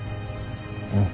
うん。